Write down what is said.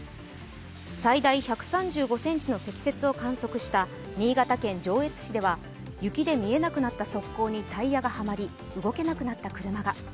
最大１３５ｃｍの積雪を観測した新潟県上越市では雪で見えなくなった側溝にタイヤがはまり、動けなくなった車が。